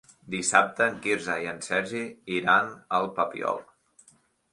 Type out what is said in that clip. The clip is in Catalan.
Dissabte en Quirze i en Sergi iran al Papiol.